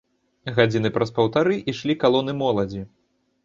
Гадзіны праз паўтары ішлі калоны моладзі.